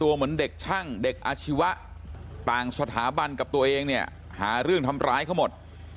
อาชีวะต่างสถาบันกับตัวเองเนี่ยหาเรื่องทำร้ายเขาหมด